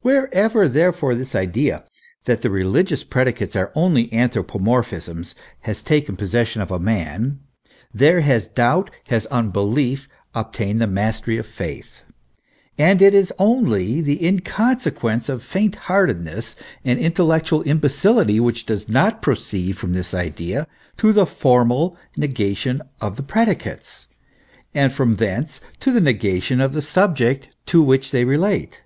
Wherever, therefore, this idea, that the religious predicates are only anthropomorphisms, has taken possession of a man, there has doubt, has unbelief obtained the mastery of faith. And it is only the inconsequence of faint heartedness and intellectual imbecility which does not proceed from this idea to the formal negation of the predicates, and from thence to the negation of the subject to which they relate.